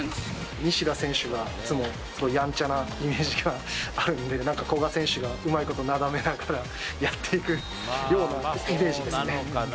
西田選手がいつもやんちゃなイメージがあるんで、なんか、古賀選手がうまいことなだめながらやっていくようなイメージですね。